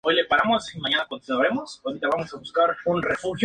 En algunas áreas el espacio es usado para cuartos mecánicos y de señales.